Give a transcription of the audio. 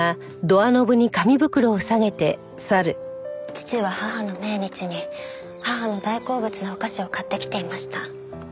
父は母の命日に母の大好物のお菓子を買ってきていました。